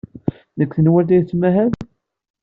Deg tenwalt ay tettmahal?